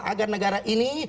agar negara ini